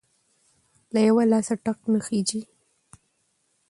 ـ له يوه لاسه ټک نخيژي.